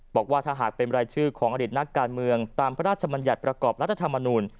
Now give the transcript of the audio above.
บอกว่าถ้าหากเป็นรายชื่อของอดีตนักการเมืองตามพระราชมัญญัติประกอบรัฐธรรมนูล